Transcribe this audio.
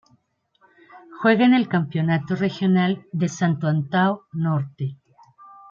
Juega en el campeonato regional de Santo Antão Norte.